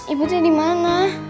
ibu tuh dimana